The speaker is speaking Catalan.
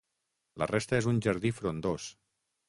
La resta és un jardí frondós.